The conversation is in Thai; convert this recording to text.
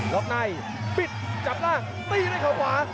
ล็อกในปิดจับล่างตีในข้างขวา